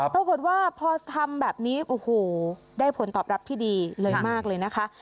ปรากฏว่าพอทำแบบนี้โอ้โหได้ผลตอบรับที่ดีเลยมากเลยนะคะ